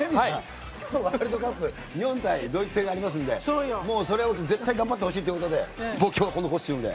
今日、ワールドカップ日本対ドイツ戦ありますのでそれ絶対頑張ってほしいということで今日はこのコスチュームで。